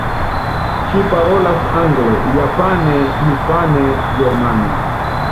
Ŝi parolas angle, japane, hispane, germane.